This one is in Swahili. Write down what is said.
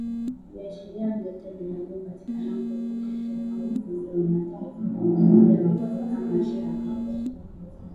Viashiria vyote vinavyopatikana kwetu katika umoja wa Mataifa na umoja wa afrika mashariki